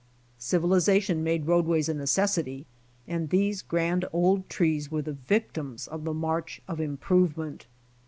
Civilization made roadways a necessity, and these grand old trees were the victims of the march of improvement.